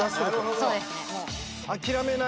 そうですね。